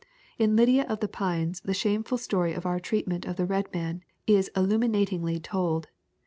In Lydia of the Pines the shameful story of our treatment of the red man is illuminatingly told.